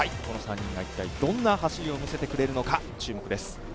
この３人が一体、どんな走りを見せてくれるのか、注目です。